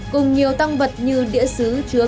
cùng nhiều tăng vật như đĩa sứ chứa